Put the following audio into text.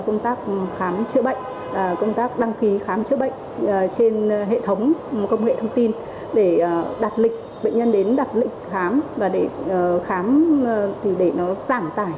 công an phường sẽ phối hợp với các đơn vị sức năng để thường xuyên kiểm tra và giám sát